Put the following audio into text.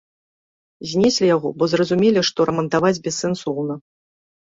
Знеслі яго, бо зразумелі, што рамантаваць бессэнсоўна.